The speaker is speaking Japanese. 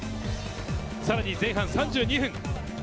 さらに前半３２分。